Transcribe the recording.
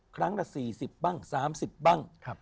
ครั้งละ๔๐๓๐บ้าง